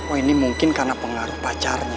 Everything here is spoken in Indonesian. oh ini mungkin karena pengaruh pacarnya